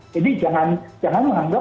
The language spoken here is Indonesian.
jadi jangan menganggap